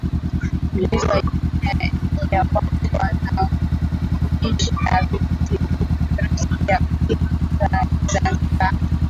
Mlezi wa Jumuiya ya Watu Wanaoishi na Virusi vya Ukimwi Zanzibar